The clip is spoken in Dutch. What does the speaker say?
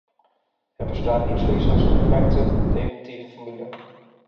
Er bestaat niet zoiets als een perfecte, definitieve formule.